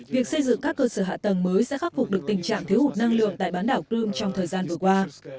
việc xây dựng các cơ sở hạ tầng mới sẽ khắc phục được tình trạng thiếu hụt năng lượng tại bán đảo crimea trong thời gian vừa qua